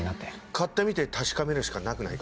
買ってみて確かめるしかなくないか？